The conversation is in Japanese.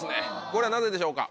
これはなぜでしょうか？